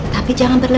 tapi jangan berlalu